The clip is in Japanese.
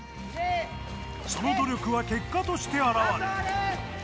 その努力は結果として表れ。